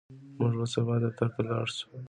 موږ به سبا دفتر ته لاړ شو.